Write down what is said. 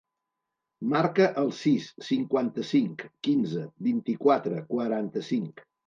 Marca el sis, cinquanta-cinc, quinze, vint-i-quatre, quaranta-cinc.